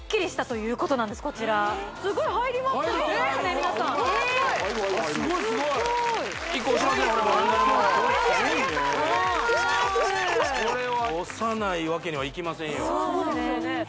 そうですよね